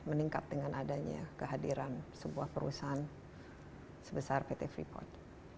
meningkat dengan adanya kehadiran sebuah perusahaan sebesar pt freeport